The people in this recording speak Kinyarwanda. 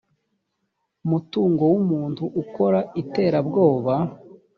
mutungo w umuntu ukora iterabwoba